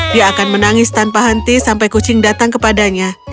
dia akan menangis tanpa henti sampai kucing datang kepadanya